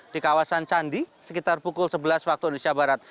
di kawasan candi sekitar pukul sebelas waktu indonesia barat